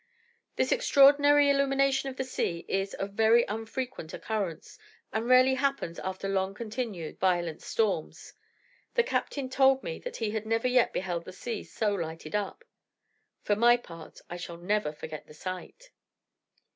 This extraordinary illumination of the sea is of very unfrequent occurrence, and rarely happens after long continued, violent storms. The captain told me that he had never yet beheld the sea so lighted up. For my part, I shall never forget the sight.